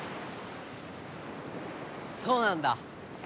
そうなんだ。